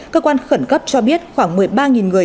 cơ quan khẩn cấp cho biết khoảng một mươi ba người